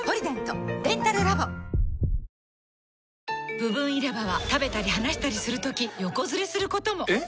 部分入れ歯は食べたり話したりするとき横ずれすることも！えっ！？